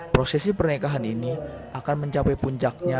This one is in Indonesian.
prosesi pernikahan ini akan mencapai puncaknya